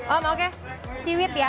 oh mau ke siwit ya